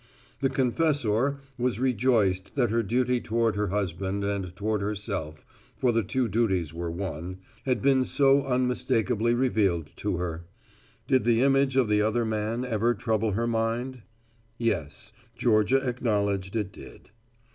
The confessor was rejoiced that her duty toward her husband and toward herself, for the two duties were one, had been so unmistakably revealed to her. Did the image of the other man ever trouble her mind? Yes, Georgia acknowledged it did.